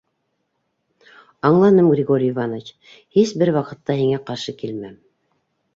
— Аңланым, Григорий Иванович, һис бер ваҡытта һиңә ҡаршы килмәм.